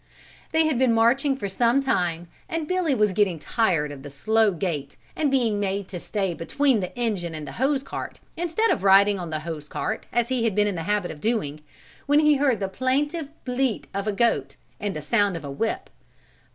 They had been marching for some time and Billy was getting tired of the slow gait and being made to stay between the engine and hose cart instead of riding on the hose cart as he had been in the habit of doing, when he heard the plaintive bleat of a goat and the sound of a whip.